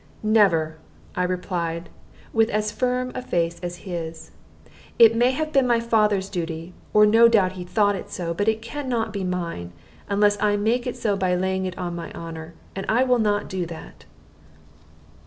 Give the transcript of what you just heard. "Never," I replied, with as firm a face as his. "It may have been my father's duty, or no doubt he thought it so; but it can not be mine, unless I make it so by laying it on my honor. And I will not do that."